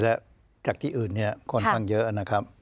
และจากที่อื่นเนี่ยค่อนข้างเยอะนะครับ